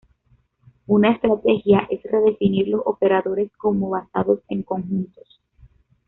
Una estrategia es redefinir los operadores como basados en conjuntos.